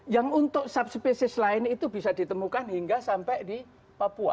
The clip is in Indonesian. yang untuk subspecies lain itu bisa ditemukan hingga sampai di papua